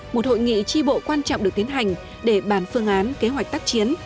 một hội nghị tri bộ quan trọng được tiến hành để bàn phương án kế hoạch tác chiến